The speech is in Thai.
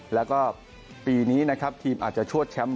แล้วก็ปีนี้นะครับทีมอาจจะชวดแชมป์